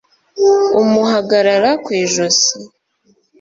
umuhagarara kw'ijosi.